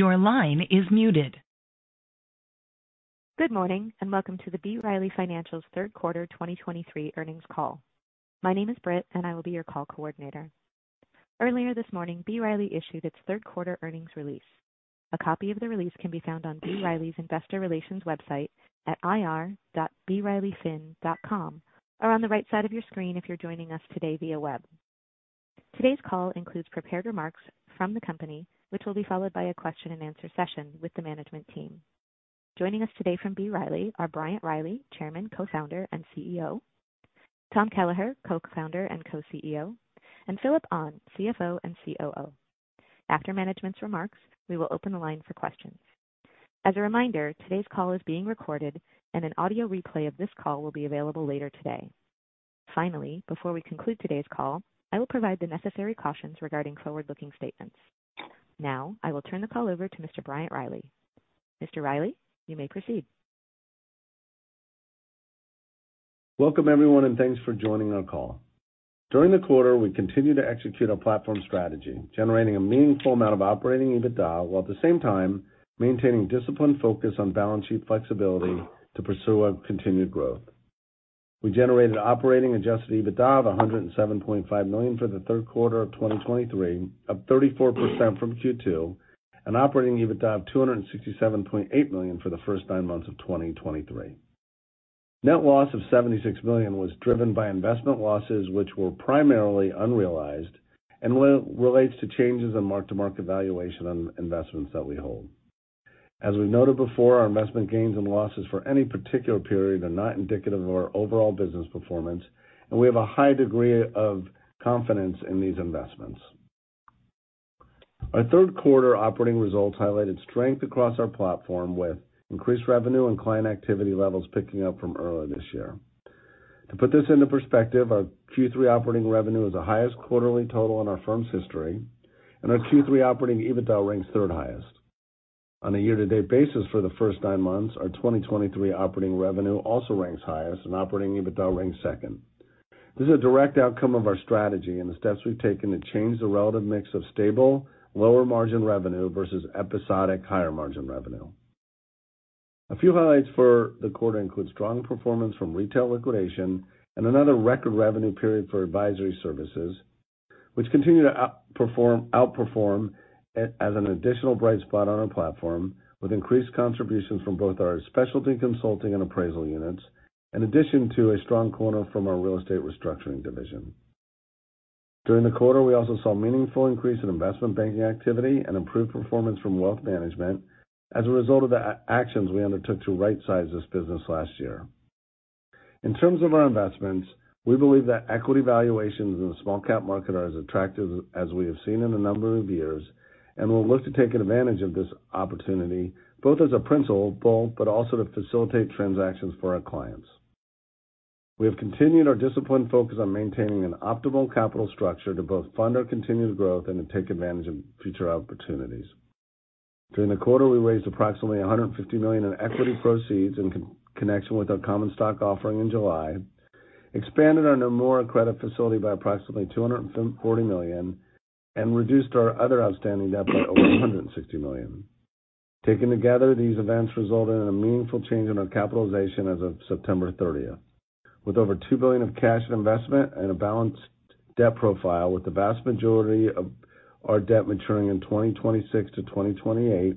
Good morning, and welcome to the B. Riley Financial's third quarter 2023 earnings call. My name is Brit, and I will be your call coordinator. Earlier this morning, B. Riley issued its third quarter earnings release. A copy of the release can be found on B. Riley's Investor Relations website at ir.brileyfin.com, or on the right side of your screen if you're joining us today via web. Today's call includes prepared remarks from the company, which will be followed by a question-and-answer session with the management team. Joining us today from B. Riley are Bryant Riley, chairman, co-founder, and CEO, Tom Kelleher, co-founder and co-CEO, and Phillip Ahn, CFO and COO. After management's remarks, we will open the line for questions. As a reminder, today's call is being recorded, and an audio replay of this call will be available later today. Finally, before we conclude today's call, I will provide the necessary cautions regarding forward-looking statements. Now, I will turn the call over to Mr. Bryant Riley. Mr. Riley, you may proceed. Welcome, everyone, and thanks for joining our call. During the quarter, we continued to execute our platform strategy, generating a meaningful amount of operating EBITDA, while at the same time maintaining disciplined focus on balance sheet flexibility to pursue our continued growth. We generated operating Adjusted EBITDA of $107.5 million for the third quarter of 2023, up 34% from Q2, and operating EBITDA of $267.8 million for the first nine months of 2023. Net loss of $76 million was driven by investment losses, which were primarily unrealized and relates to changes in mark-to-market valuation on investments that we hold. As we've noted before, our investment gains and losses for any particular period are not indicative of our overall business performance, and we have a high degree of confidence in these investments. Our third quarter operating results highlighted strength across our platform, with increased revenue and client activity levels picking up from earlier this year. To put this into perspective, our Q3 operating revenue is the highest quarterly total in our firm's history, and our Q3 operating EBITDA ranks 3rd highest. On a year-to-date basis for the first 9 months, our 2023 operating revenue also ranks highest, and operating EBITDA ranks 2nd. This is a direct outcome of our strategy and the steps we've taken to change the relative mix of stable, lower-margin revenue versus episodic higher-margin revenue. A few highlights for the quarter include strong performance from retail liquidation and another record revenue period for advisory services, which continue to outperform as an additional bright spot on our platform, with increased contributions from both our specialty consulting and appraisal units, in addition to a strong quarter from our real estate restructuring division. During the quarter, we also saw meaningful increase in investment banking activity and improved performance from wealth management as a result of the actions we undertook to rightsize this business last year. In terms of our investments, we believe that equity valuations in the small cap market are as attractive as we have seen in a number of years, and we'll look to take advantage of this opportunity, both as a principal, but also to facilitate transactions for our clients. We have continued our disciplined focus on maintaining an optimal capital structure to both fund our continued growth and to take advantage of future opportunities. During the quarter, we raised approximately $150 million in equity proceeds in connection with our common stock offering in July, expanded our Nomura credit facility by approximately $240 million, and reduced our other outstanding debt by over $160 million. Taken together, these events resulted in a meaningful change in our capitalization as of September 30th. With over $2 billion of cash and investment and a balanced debt profile, with the vast majority of our debt maturing in 2026-2028,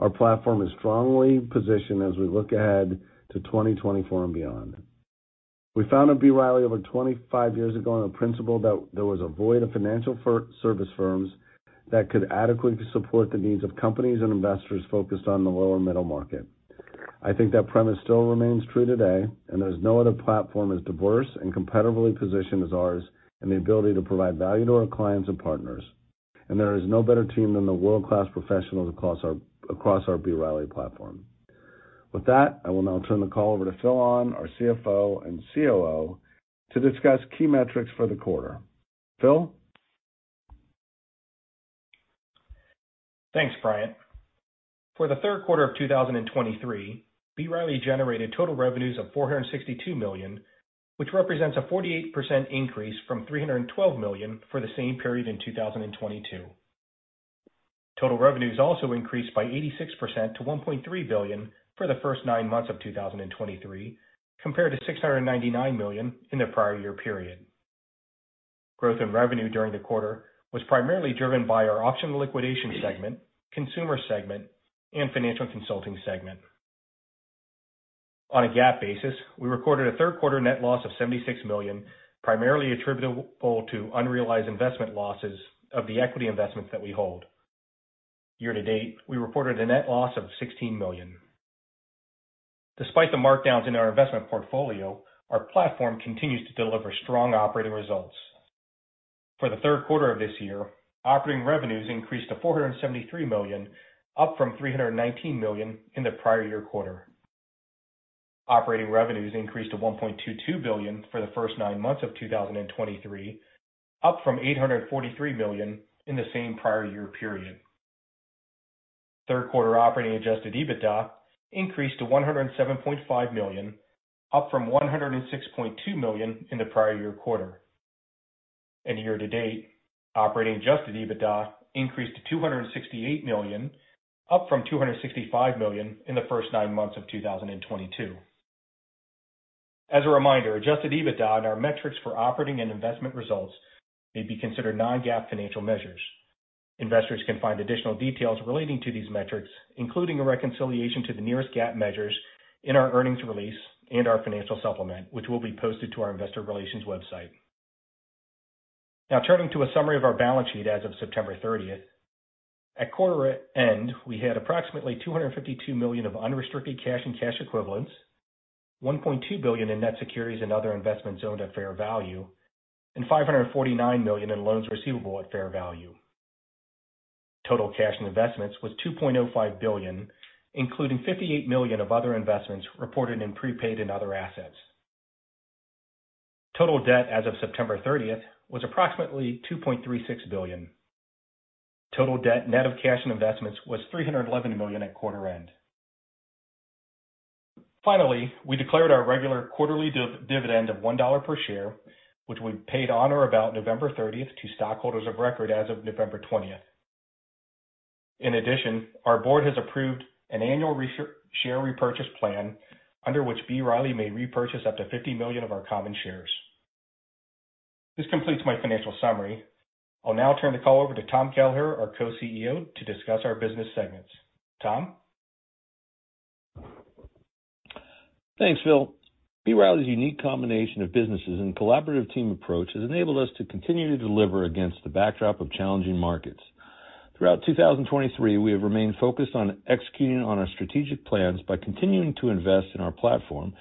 our platform is strongly positioned as we look ahead to 2024 and beyond. We founded B. Riley over 25 years ago on a principle that there was a void of financial full-service firms that could adequately support the needs of companies and investors focused on the lower middle market. I think that premise still remains true today, and there's no other platform as diverse and competitively positioned as ours in the ability to provide value to our clients and partners. And there is no better team than the world-class professionals across our B. Riley platform. With that, I will now turn the call over to Phil Ahn, our CFO and COO, to discuss key metrics for the quarter. Phil? Thanks, Bryant. For the third quarter of 2023, B. Riley generated total revenues of $462 million, which represents a 48% increase from $312 million for the same period in 2022. Total revenues also increased by 86% to $1.3 billion for the first nine months of 2023, compared to $699 million in the prior year period. Growth in revenue during the quarter was primarily driven by our auction liquidation segment, consumer segment, and financial consulting segment. On a GAAP basis, we recorded a third quarter net loss of $76 million, primarily attributable to unrealized investment losses of the equity investments that we hold. Year to date, we reported a net loss of $16 million. Despite the markdowns in our investment portfolio, our platform continues to deliver strong operating results. For the third quarter of this year, operating revenues increased to $473 million, up from $319 million in the prior year quarter. Operating revenues increased to $1.22 billion for the first nine months of 2023, up from $843 million in the same prior year period. Third quarter operating Adjusted EBITDA increased to $107.5 million, up from $106.2 million in the prior year quarter. Year to date, operating Adjusted EBITDA increased to $268 million, up from $265 million in the first nine months of 2022. As a reminder, Adjusted EBITDA and our metrics for operating and investment results may be considered non-GAAP financial measures. Investors can find additional details relating to these metrics, including a reconciliation to the nearest GAAP measures in our earnings release and our financial supplement, which will be posted to our investor relations website. Now, turning to a summary of our balance sheet as of September 30th. At quarter end, we had approximately $252 million of unrestricted cash and cash equivalents, $1.2 billion in net securities and other investments owned at fair value, and $549 million in loans receivable at fair value. Total cash and investments was $2.05 billion, including $58 million of other investments reported in prepaid and other assets. Total debt as of September 30th was approximately $2.36 billion. Total debt, net of cash and investments, was $311 million at quarter end. Finally, we declared our regular quarterly dividend of $1 per share, which we paid on or about November 30th to stockholders of record as of November 20th. In addition, our board has approved an annual share repurchase plan under which B. Riley may repurchase up to 50 million of our common shares. This completes my financial summary. I'll now turn the call over to Tom Kelleher, our Co-CEO, to discuss our business segments. Tom? Thanks, Phil. B. Riley's unique combination of businesses and collaborative team approach has enabled us to continue to deliver against the backdrop of challenging markets. Throughout 2023, we have remained focused on executing on our strategic plans by continuing to invest in our platform,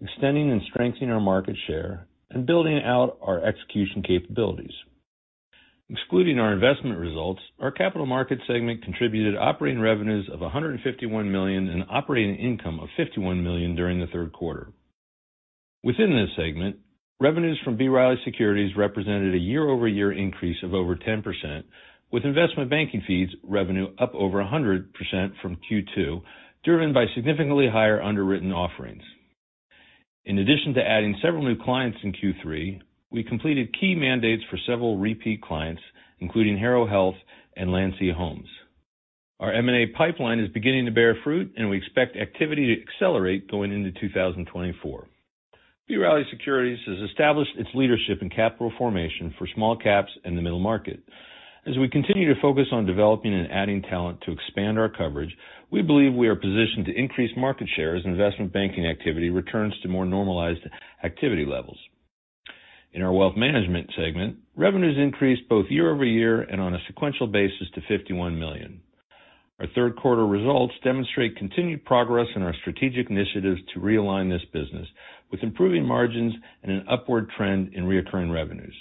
extending and strengthening our market share, and building out our execution capabilities. Excluding our investment results, our capital market segment contributed operating revenues of $151 million and operating income of $51 million during the third quarter. Within this segment, revenues from B. Riley Securities represented a year-over-year increase of over 10%, with investment banking fees revenue up over 100% from Q2, driven by significantly higher underwritten offerings. In addition to adding several new clients in Q3, we completed key mandates for several repeat clients, including Harrow Health and Landsea Homes. Our M&A pipeline is beginning to bear fruit, and we expect activity to accelerate going into 2024. B. Riley Securities has established its leadership in capital formation for small caps in the middle market. As we continue to focus on developing and adding talent to expand our coverage, we believe we are positioned to increase market share as investment banking activity returns to more normalized activity levels. In our wealth management segment, revenues increased both year-over-year and on a sequential basis to $51 million. Our third quarter results demonstrate continued progress in our strategic initiatives to realign this business, with improving margins and an upward trend in recurring revenues.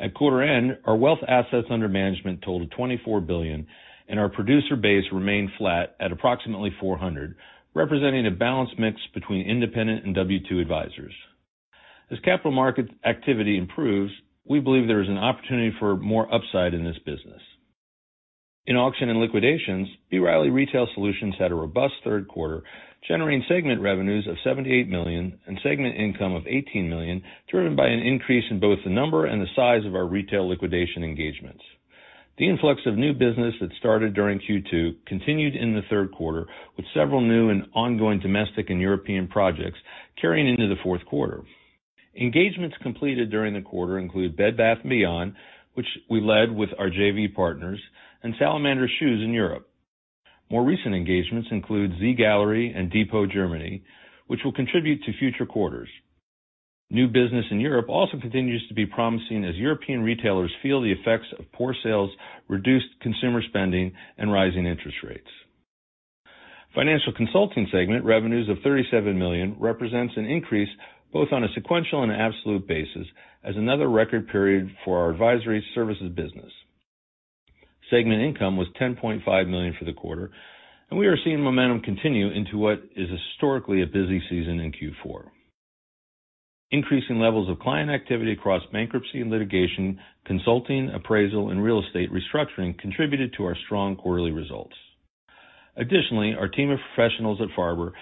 At quarter end, our wealth assets under management totaled $24 billion, and our producer base remained flat at approximately 400, representing a balanced mix between independent and W-2 advisors. As capital market activity improves, we believe there is an opportunity for more upside in this business. In auction and liquidations, B. Riley Retail Solutions had a robust third quarter, generating segment revenues of $78 million and segment income of $18 million, driven by an increase in both the number and the size of our retail liquidation engagements. The influx of new business that started during Q2 continued in the third quarter, with several new and ongoing domestic and European projects carrying into the fourth quarter. Engagements completed during the quarter include Bed Bath & Beyond, which we led with our JV partners and Salamander Shoes in Europe. More recent engagements include Z Gallerie and Depot Germany, which will contribute to future quarters. New business in Europe also continues to be promising as European retailers feel the effects of poor sales, reduced consumer spending, and rising interest rates. Financial consulting segment revenues of $37 million represents an increase both on a sequential and absolute basis as another record period for our advisory services business. Segment income was $10.5 million for the quarter, and we are seeing momentum continue into what is historically a busy season in Q4. Increasing levels of client activity across bankruptcy and litigation, consulting, appraisal, and real estate restructuring contributed to our strong quarterly results. Additionally, our team of professionals at Farber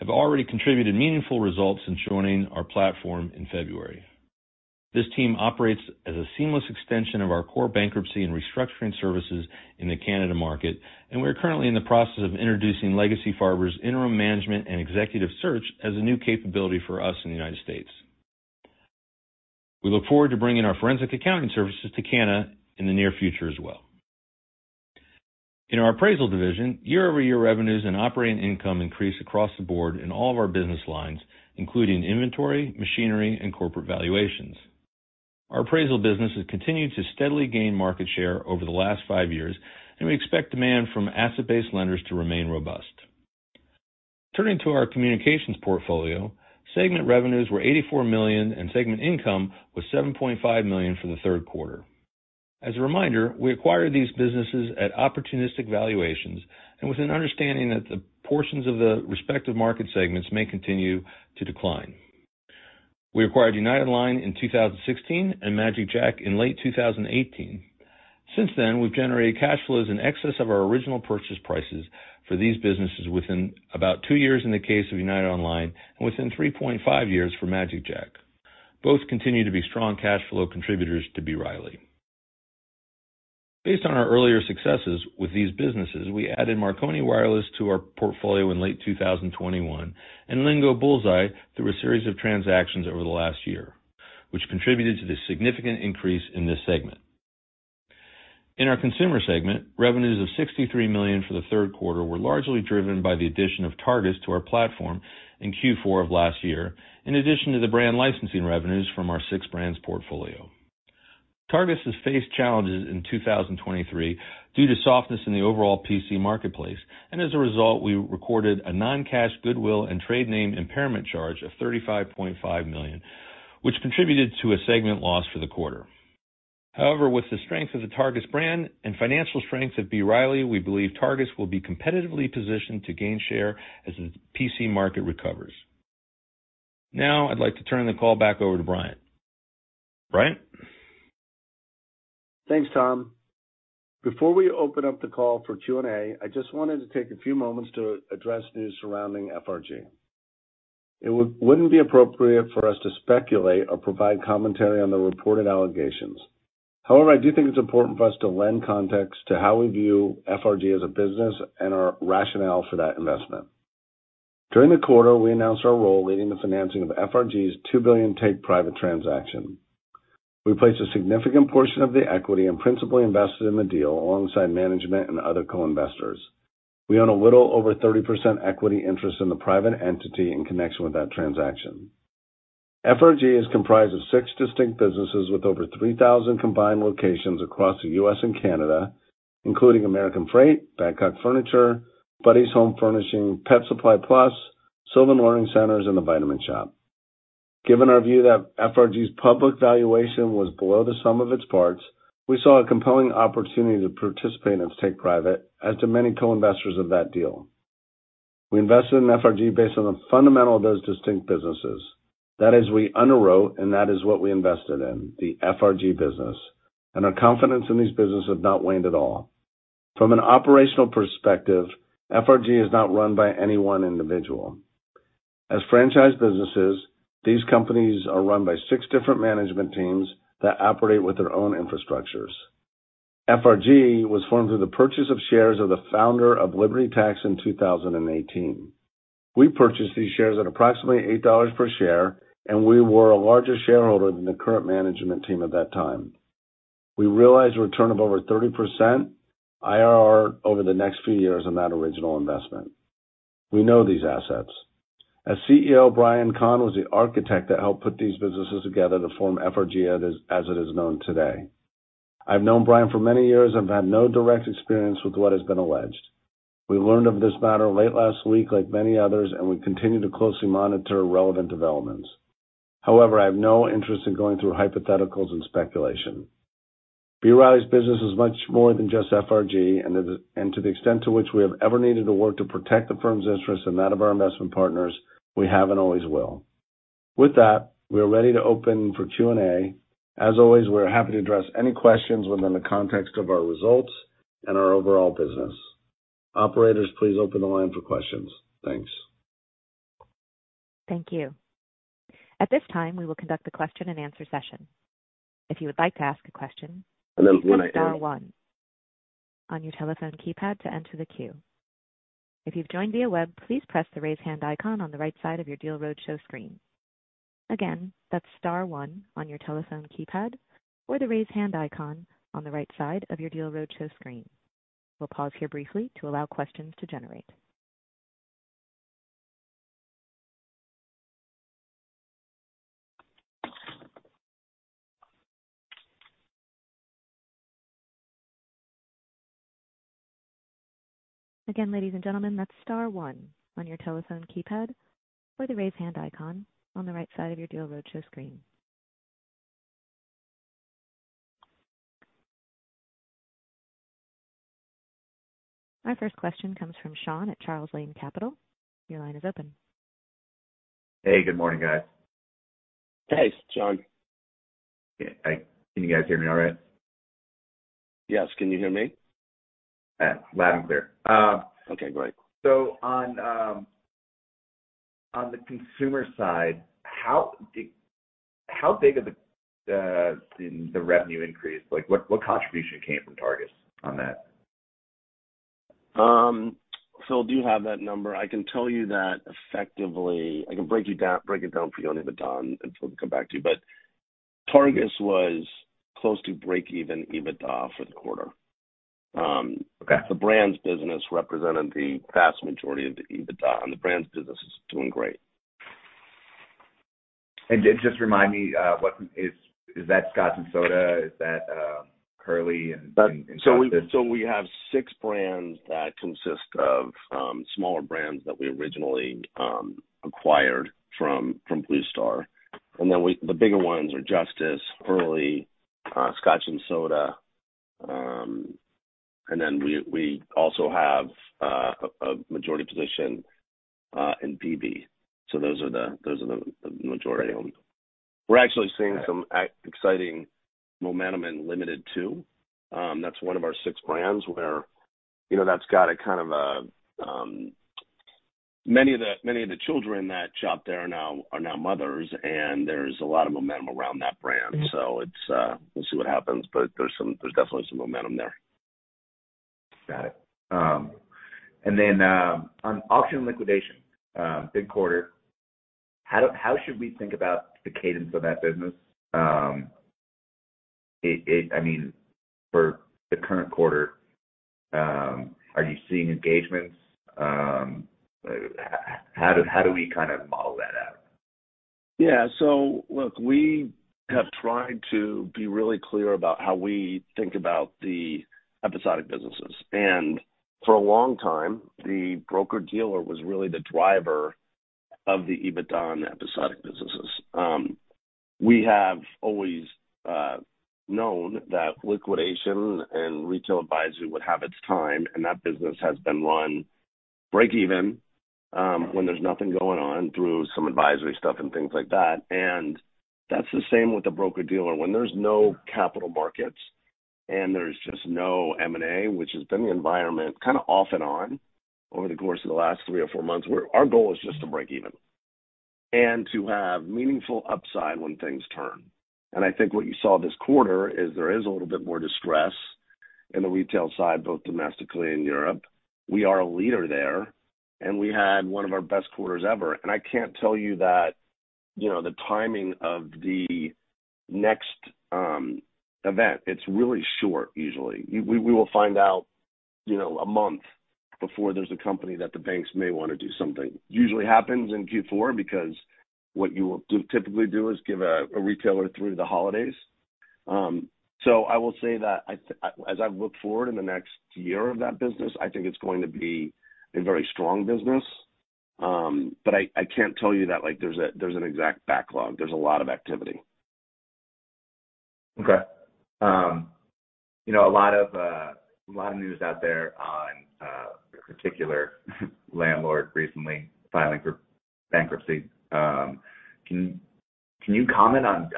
have already contributed meaningful results since joining our platform in February. This team operates as a seamless extension of our core bankruptcy and restructuring services in the Canada market, and we are currently in the process of introducing legacy Farber's interim management and executive search as a new capability for us in the United States. We look forward to bringing our forensic accounting services to Canada in the near future as well. In our appraisal division, year-over-year revenues and operating income increased across the board in all of our business lines, including inventory, machinery, and corporate valuations. Our appraisal business has continued to steadily gain market share over the last 5 years, and we expect demand from asset-based lenders to remain robust. Turning to our communications portfolio, segment revenues were $84 million, and segment income was $7.5 million for the third quarter. As a reminder, we acquired these businesses at opportunistic valuations and with an understanding that the portions of the respective market segments may continue to decline. We acquired United Online in 2016 and magicJack in late 2018. Since then, we've generated cash flows in excess of our original purchase prices for these businesses within about 2 years in the case of United Online and within 3.5 years for magicJack. Both continue to be strong cash flow contributors to B. Riley. Based on our earlier successes with these businesses, we added Marconi Wireless to our portfolio in late 2021, and Lingo and Bullseye through a series of transactions over the last year, which contributed to the significant increase in this segment. In our consumer segment, revenues of $63 million for the third quarter were largely driven by the addition of Targus to our platform in Q4 of last year, in addition to the brand licensing revenues from our six brands portfolio. Targus has faced challenges in 2023 due to softness in the overall PC marketplace, and as a result, we recorded a non-cash goodwill and trade name impairment charge of $35.5 million, which contributed to a segment loss for the quarter. However, with the strength of the Targus brand and financial strength of B. Riley, we believe Targus will be competitively positioned to gain share as the PC market recovers. Now, I'd like to turn the call back over to Bryant. Bryant? Thanks, Tom. Before we open up the call for Q&A, I just wanted to take a few moments to address news surrounding FRG. It wouldn't be appropriate for us to speculate or provide commentary on the reported allegations. However, I do think it's important for us to lend context to how we view FRG as a business and our rationale for that investment. During the quarter, we announced our role leading the financing of FRG's $2 billion take private transaction. We placed a significant portion of the equity and principally invested in the deal alongside management and other co-investors. We own a little over 30% equity interest in the private entity in connection with that transaction. FRG is comprised of six distinct businesses with over 3,000 combined locations across the U.S. and Canada, including American Freight, Badcock Furniture, Buddy's Home Furnishings, Pet Supplies Plus, Sylvan Learning Centers, and The Vitamin Shoppe. Given our view that FRG's public valuation was below the sum of its parts, we saw a compelling opportunity to participate in its take-private, as to many co-investors of that deal. We invested in FRG based on the fundamental of those distinct businesses. That is, we underwrote, and that is what we invested in, the FRG business, and our confidence in these businesses has not waned at all. From an operational perspective, FRG is not run by any one individual. As franchise businesses, these companies are run by six different management teams that operate with their own infrastructures. FRG was formed through the purchase of shares of the founder of Liberty Tax in 2018. We purchased these shares at approximately $8 per share, and we were a larger shareholder than the current management team at that time. We realized a return of over 30% IRR over the next few years on that original investment. We know these assets. As CEO, Brian Kahn was the architect that helped put these businesses together to form FRG as it, as it is known today. I've known Brian for many years and have had no direct experience with what has been alleged. We learned of this matter late last week, like many others, and we continue to closely monitor relevant developments. However, I have no interest in going through hypotheticals and speculation. B. Riley's business is much more than just FRG, and to the extent to which we have ever needed to work to protect the firm's interests and that of our investment partners, we have and always will. With that, we are ready to open for Q&A. As always, we're happy to address any questions within the context of our results and our overall business. Operator, please open the line for questions. Thanks. Thank you. At this time, we will conduct a question-and-answer session. If you would like to ask a question, please press star one on your telephone keypad to enter the queue. If you've joined via web, please press the Raise Hand icon on the right side of your Deal Roadshow screen. Again, that's star one on your telephone keypad or the Raise Hand icon on the right side of your Deal Roadshow screen. We'll pause here briefly to allow questions to generate. Again, ladies and gentlemen, that's star one on your telephone keypad or the Raise Hand icon on the right side of your Deal Roadshow screen. Our first question comes from Sean at Charles Lane Capital. Your line is open. Hey, good morning, guys. Hey, Sean. Hey, can you guys hear me all right? Yes. Can you hear me? Yeah. Loud and clear. Okay, go ahead. So on the consumer side, how big of the revenue increase? Like, what contribution came from Targus on that? So I do have that number. I can tell you that effectively. I can break it down for you on EBITDA and we'll come back to you. But Targus was close to break even EBITDA for the quarter. Okay. The brands business represented the vast majority of the EBITDA, and the brands business is doing great. And just, just remind me, what is Scotch & Soda? Is that, Hurley and Justice? So we have six brands that consist of smaller brands that we originally acquired from Bluestar. And then we—the bigger ones are Justice, Hurley, Scotch & Soda. And then we also have a majority position in bebe. So those are the majority owned. We're actually seeing some exciting momentum in Limited Too. That's one of our six brands where, you know, that's got a kind of a many of the children that shopped there are now mothers, and there's a lot of momentum around that brand. It's, we'll see what happens, but there's definitely some momentum there. Got it. And then, on auction liquidation, big quarter, how should we think about the cadence of that business? I mean, for the current quarter, are you seeing engagements? How do we kind of model that out? Yeah. So look, we have tried to be really clear about how we think about the episodic businesses. And for a long time, the broker-dealer was really the driver of the EBITDA on the episodic businesses. We have always known that liquidation and retail advisory would have its time, and that business has been run break even, when there's nothing going on through some advisory stuff and things like that. And that's the same with the broker-dealer. When there's no capital markets and there's just no M&A, which has been the environment kind of off and on over the course of the last three or four months, where our goal is just to break even and to have meaningful upside when things turn. And I think what you saw this quarter is there is a little bit more distress in the retail side, both domestically and Europe. We are a leader there, and we had one of our best quarters ever. I can't tell you that, you know, the timing of the next event, it's really short usually. We will find out, you know, a month before there's a company that the banks may want to do something. Usually happens in Q4 because what you typically do is give a retailer through the holidays. So I will say that as I look forward in the next year of that business, I think it's going to be a very strong business. But I can't tell you that, like, there's an exact backlog. There's a lot of activity. Okay. You know, a lot of a lot of news out there on a particular landlord recently filing for bankruptcy. Can you comment on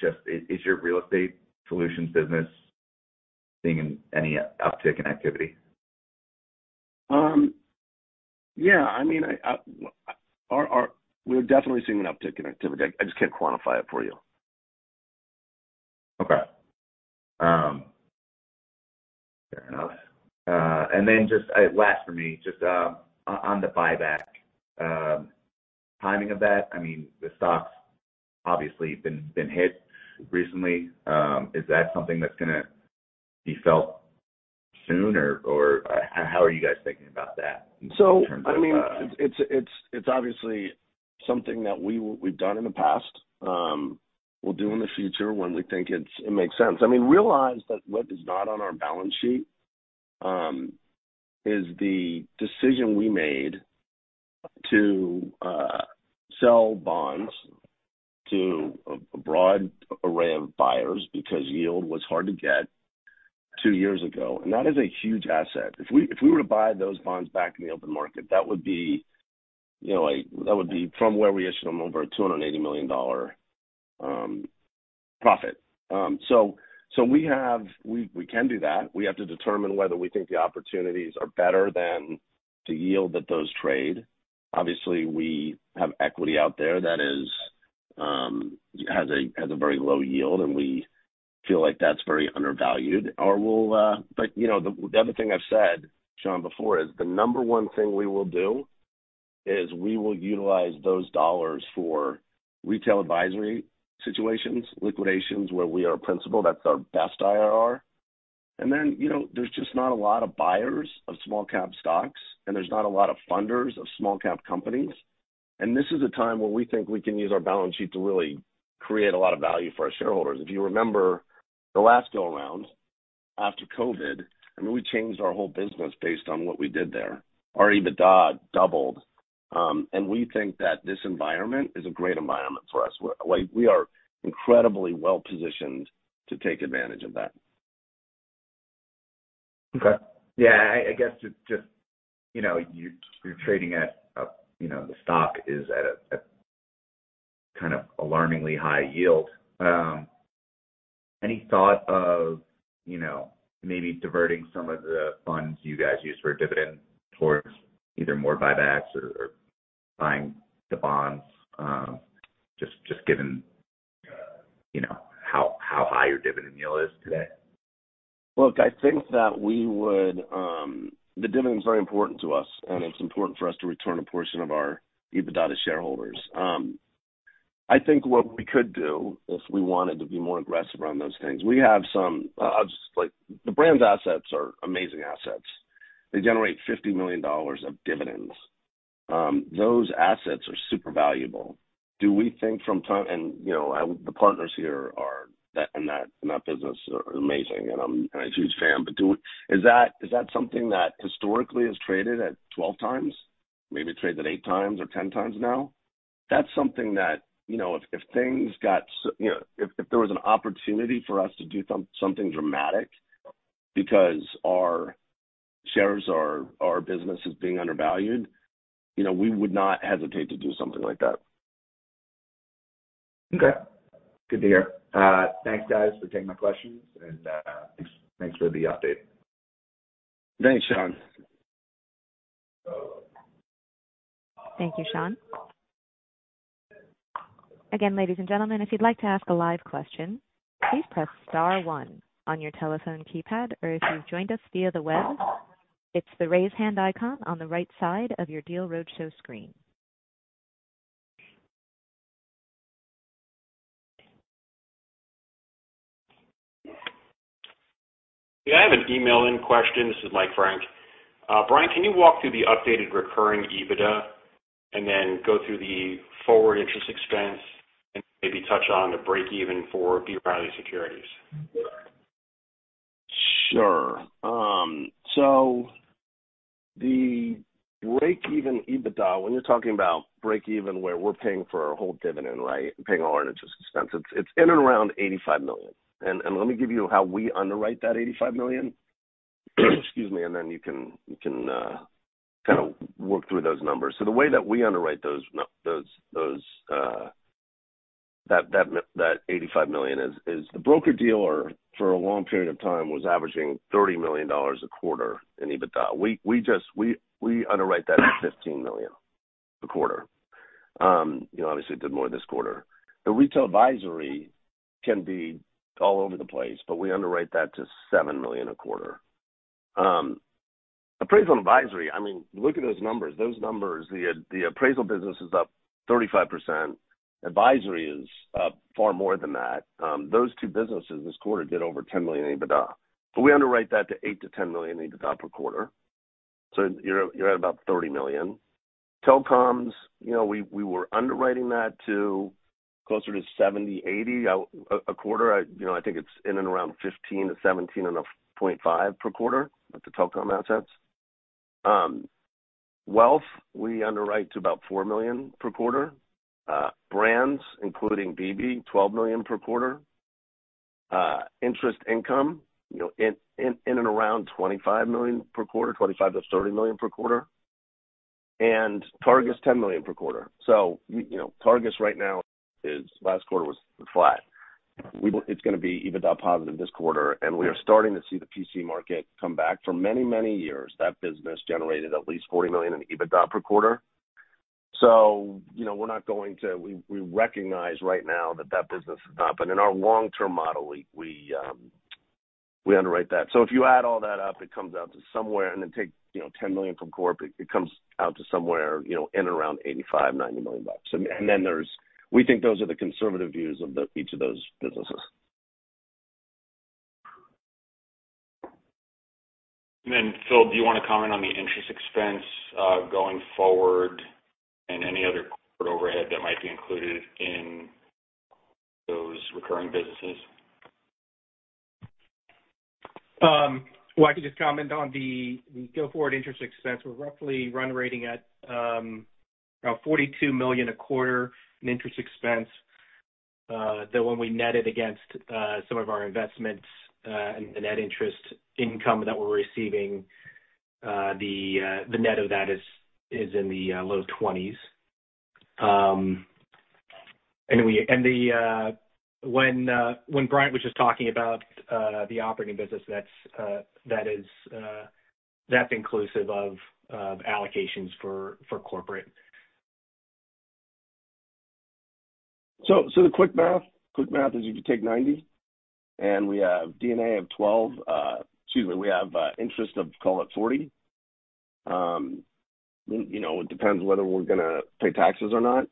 just, is your real estate solutions business seeing any uptick in activity? Yeah, I mean, we're definitely seeing an uptick in activity. I just can't quantify it for you. Okay. Fair enough. And then just last for me, just on the buyback, timing of that, I mean, the stock's obviously been hit recently. Is that something that's gonna be felt soon, or how are you guys thinking about that in terms of- So, I mean, it's obviously something that we've done in the past, we'll do in the future when we think it makes sense. I mean, realize that what is not on our balance sheet is the decision we made to sell bonds to a broad array of buyers because yield was hard to get two years ago, and that is a huge asset. If we were to buy those bonds back in the open market, that would be, you know, like, that would be from where we issued them, over a $280 million profit. So we have we can do that. We have to determine whether we think the opportunities are better than the yield that those trade. Obviously, we have equity out there that has a very low yield, and we feel like that's very undervalued. Our role, but, you know, the other thing I've said, Sean, before, is the number one thing we will do is we will utilize those dollars for retail advisory situations, liquidations, where we are a principal, that's our best IRR. And then, you know, there's just not a lot of buyers of small cap stocks, and there's not a lot of funders of small cap companies. And this is a time where we think we can use our balance sheet to really create a lot of value for our shareholders. If you remember the last go around, after COVID, I mean, we changed our whole business based on what we did there. Our EBITDA doubled, and we think that this environment is a great environment for us. Like, we are incredibly well positioned to take advantage of that. Okay. Yeah, I guess just, you know, you're trading at a, you know, the stock is at a kind of alarmingly high yield. Any thought of, you know, maybe diverting some of the funds you guys use for dividend towards either more buybacks or buying the bonds? Just given, you know, how high your dividend yield is today. Look, I think that we would, the dividend is very important to us, and it's important for us to return a portion of our EBITDA to shareholders. I think what we could do if we wanted to be more aggressive on those things, we have some, like, the brand's assets are amazing assets. They generate $50 million of dividends. Those assets are super valuable. Do we think from time and, you know, the partners here are, that in that, in that business are amazing, and I'm a huge fan. But do we, is that, is that something that historically has traded at 12x, maybe traded 80x or 10x now? That's something that, you know, if things got, you know, if there was an opportunity for us to do something dramatic because our shares or our business is being undervalued, you know, we would not hesitate to do something like that. Okay, good to hear. Thanks, guys, for taking my questions, and thanks, thanks for the update. Thanks, Sean. Thank you, Sean. Again, ladies and gentlemen, if you'd like to ask a live question, please press star one on your telephone keypad, or if you've joined us via the web, it's the raise hand icon on the right side of your Deal Roadshow screen. Yeah, I have an email-in question. This is Mike Frank. Bryant, can you walk through the updated recurring EBITDA, and then go through the forward interest expense, and maybe touch on the break even for B. Riley Securities? Sure. So the break even EBITDA, when you're talking about break even, where we're paying for our whole dividend, right? Paying our interest expense, it's in and around $85 million. And let me give you how we underwrite that $85 million. Excuse me, and then you can kind of work through those numbers. So the way that we underwrite that $85 million is, the broker-dealer for a long period of time was averaging $30 million a quarter in EBITDA. We just underwrite that to $15 million a quarter. You know, obviously did more this quarter. The retail advisory can be all over the place, but we underwrite that to $7 million a quarter. Appraisal and advisory, I mean, look at those numbers. Those numbers, the appraisal business is up 35%. Advisory is up far more than that. Those two businesses this quarter did over $10 million in EBITDA. But we underwrite that to $8 million-$10 million in EBITDA per quarter. So you're at about $30 million. Telecoms, you know, we were underwriting that to closer to $70-$80 a quarter. You know, I think it's in and around 15-17.5 per quarter at the telecom assets. Wealth, we underwrite to about $4 million per quarter. Brands, including bebe, $12 million per quarter. Interest income, you know, in and around $25 million per quarter, $25 million-$30 million per quarter, and Targus, $10 million per quarter. So, you know, Targus right now is, last quarter was flat. It's going to be EBITDA positive this quarter, and we are starting to see the PC market come back. For many, many years, that business generated at least $40 million in EBITDA per quarter. So, you know, we're not going to recognize right now that that business is not. But in our long-term model, we underwrite that. So if you add all that up, it comes out to somewhere and then take, you know, $10 million from corp, it comes out to somewhere, you know, in and around $85 million-$90 million bucks. And then there's. We think those are the conservative views of the, each of those businesses. And then, Phil, do you want to comment on the interest expense, going forward and any other corporate overhead that might be included in those recurring businesses? Well, I can just comment on the go-forward interest expense. We're roughly run-rating at about $42 million a quarter in interest expense, that when we net it against some of our investments and the net interest income that we're receiving, the net of that is in the low 20s. And when Brian was just talking about the operating business, that's inclusive of allocations for corporate. So, so the quick math, quick math is if you take 90 and we have EBITDA of 12, excuse me, we have interest of call it 40. You know, it depends whether we're going to pay taxes or not.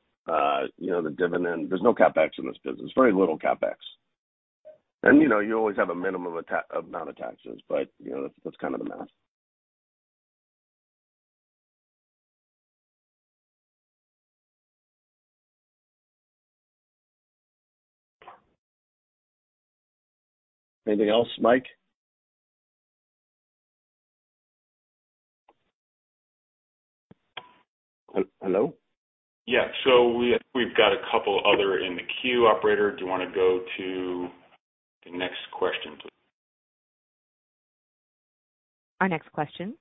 You know, the dividend, there's no CapEx in this business, very little CapEx. And, you know, you always have a minimum amount of taxes, but, you know, that's kind of the math. Anything else, Mike? Hello? Yeah. So we've got a couple other in the queue. Operator, do you want to go to the next question, please? Our next question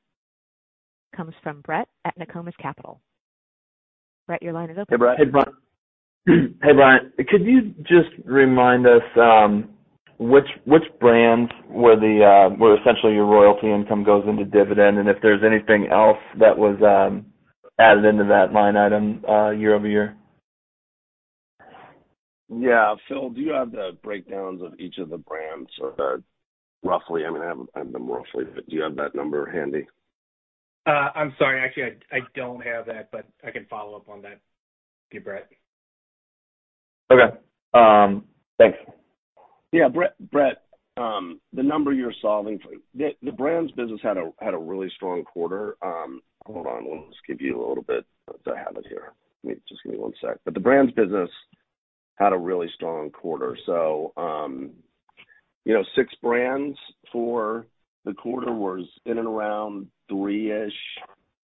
comes from Brett at Nokomis Capital. Brett, your line is open. Hey, Brett. Hey, Brian. Hey, Brian, could you just remind us which brands were there where essentially your royalty income goes into dividend, and if there's anything else that was added into that line item year-over-year? Yeah. Phil, do you have the breakdowns of each of the brands or the roughly? I mean, I have them roughly, but do you have that number handy? I'm sorry. Actually, I don't have that, but I can follow up on that with you, Brett. Okay. Thanks. Yeah, Brett, Brett, the number you're solving for. The brands business had a really strong quarter. Hold on. Let me just give you a little bit. I have it here. Just give me one sec. But the brands business had a really strong quarter, so. You know, six brands for the quarter was in and around $3-ish,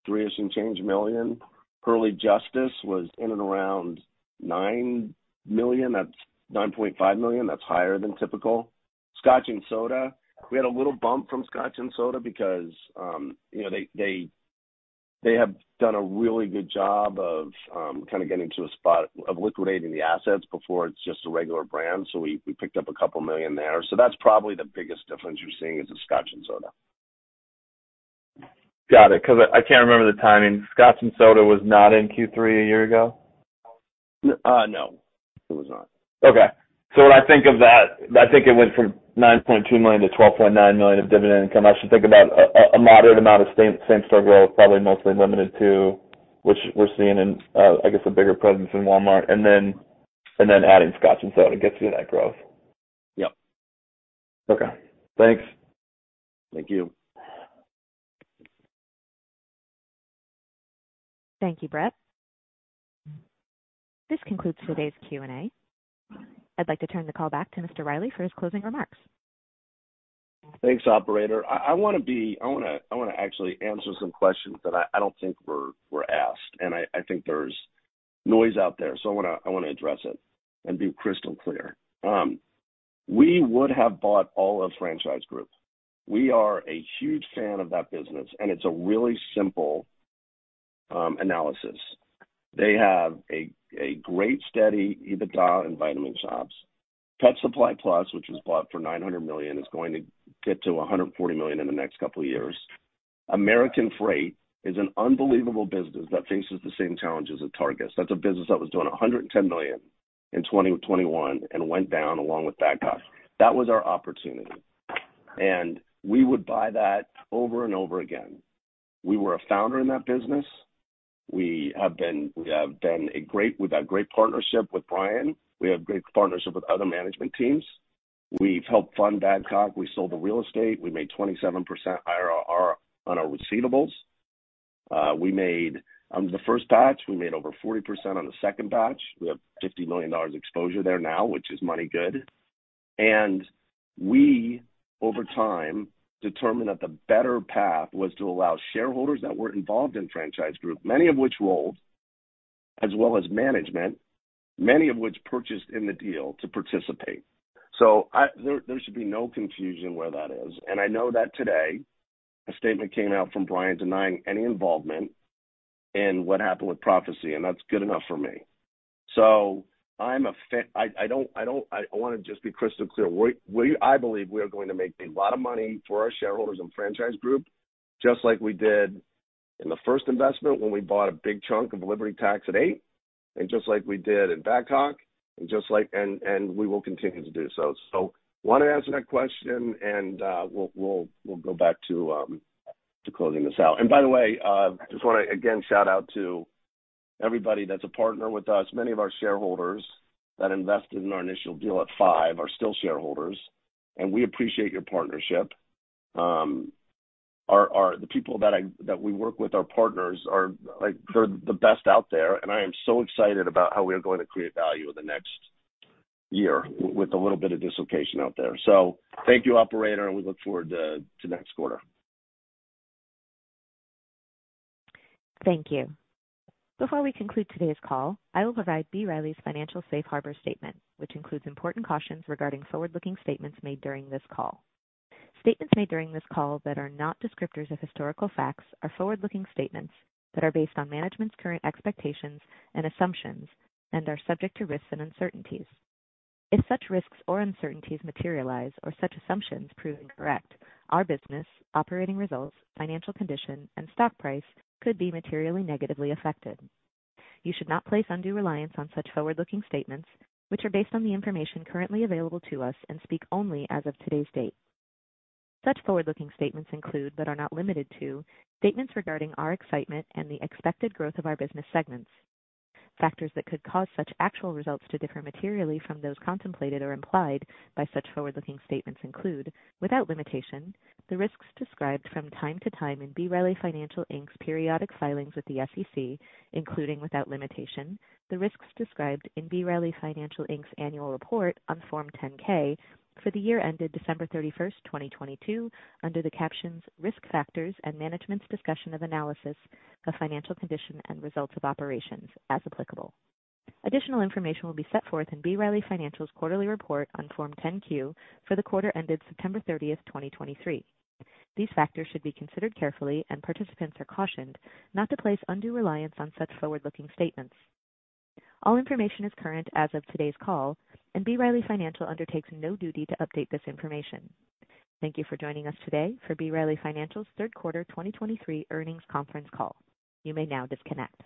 $3-ish and change million. Hurley Justice was in and around $9 million. That's $9.5 million. That's higher than typical. Scotch & Soda, we had a little bump from Scotch & Soda because, you know, they have done a really good job of kind of getting to a spot of liquidating the assets before it's just a regular brand. So we picked up a couple million there. So that's probably the biggest difference you're seeing is the Scotch & Soda. Got it, because I can't remember the timing. Scotch & Soda was not in Q3 a year ago? No, it was not. Okay. So when I think of that, I think it went from $9.2 million-$12.9 million of dividend income. I should think about a moderate amount of same-store growth, probably mostly limited to which we're seeing in, I guess, a bigger presence in Walmart and then adding Scotch & Soda, it gets you that growth. Yep. Okay, thanks. Thank you. Thank you, Brett. This concludes today's Q&A. I'd like to turn the call back to Mr. Riley for his closing remarks. Thanks, operator. I want to actually answer some questions that I don't think were asked, and I think there's noise out there, so I want to address it and be crystal clear. We would have bought all of Franchise Group. We are a huge fan of that business, and it's a really simple analysis. They have a great steady EBITDA and Vitamin Shoppe. Pet Supplies Plus, which was bought for $900 million, is going to get to $140 million in the next couple of years. American Freight is an unbelievable business that faces the same challenges as Target. That's a business that was doing $110 million in 2021 and went down along with Badcock. That was our opportunity, and we would buy that over and over again. We were a founder in that business. We have been a great—we've had great partnership with Brian. We have great partnership with other management teams. We've helped fund Badcock. We sold the real estate. We made 27% IRR on our receivables. We made, on the first batch, we made over 40%. On the second batch, we have $50 million exposure there now, which is money good. And we, over time, determined that the better path was to allow shareholders that were involved in Franchise Group, many of which rolled, as well as management, many of which purchased in the deal to participate. So there should be no confusion where that is. I know that today a statement came out from Brian denying any involvement in what happened with Prophecy, and that's good enough for me. So I'm a fan. I don't—I want to just be crystal clear. We—I believe we are going to make a lot of money for our shareholders and Franchise Group, just like we did in the first investment when we bought a big chunk of Liberty Tax at $8, and just like we did at Badcock, and just like. And we will continue to do so. So want to answer that question and, we'll go back to closing this out. And by the way, just want to again shout out to everybody that's a partner with us. Many of our shareholders that invested in our initial deal at $5 are still shareholders, and we appreciate your partnership. The people that we work with, our partners are like, they're the best out there, and I am so excited about how we are going to create value in the next year with a little bit of dislocation out there. So thank you, operator, and we look forward to next quarter. Thank you. Before we conclude today's call, I will provide B. Riley Financial's Safe Harbor statement, which includes important cautions regarding forward-looking statements made during this call. Statements made during this call that are not descriptors of historical facts are forward-looking statements that are based on management's current expectations and assumptions and are subject to risks and uncertainties. If such risks or uncertainties materialize or such assumptions prove incorrect, our business, operating results, financial condition, and stock price could be materially negatively affected. You should not place undue reliance on such forward-looking statements, which are based on the information currently available to us and speak only as of today's date. Such forward-looking statements include, but are not limited to, statements regarding our excitement and the expected growth of our business segments. Factors that could cause such actual results to differ materially from those contemplated or implied by such forward-looking statements include, without limitation, the risks described from time to time in B. Riley Financial Inc.'s periodic filings with the SEC, including, without limitation, the risks described in B. Riley Financial Inc.'s annual report on Form 10-K for the year ended December 31st, 2022, under the captions Risk Factors and Management's Discussion and Analysis of Financial Condition and Results of Operations, as applicable. Additional information will be set forth in B. Riley Financial's quarterly report on Form 10-Q for the quarter ended September 30th, 2023. These factors should be considered carefully, and participants are cautioned not to place undue reliance on such forward-looking statements. All information is current as of today's call, and B. Riley Financial undertakes no duty to update this information. Thank you for joining us today for B. Riley Financial's third quarter 2023 earnings conference call. You may now disconnect.